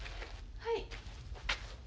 はい。